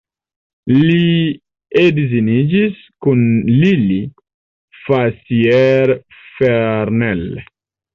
Li edziniĝis kun Lili Fassier-Farnell.